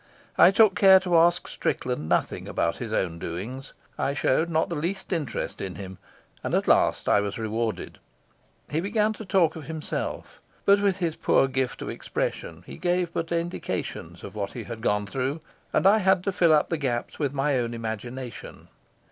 I took care to ask Strickland nothing about his own doings. I showed not the least interest in him, and at last I was rewarded. He began to talk of himself. But with his poor gift of expression he gave but indications of what he had gone through, and I had to fill up the gaps with my own imagination.